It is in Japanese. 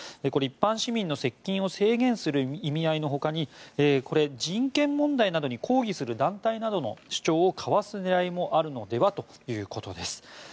これは一般市民の接近を制限する意味合いのほかに人権問題などに抗議する団体などの主張をかわす狙いもあるのではということです。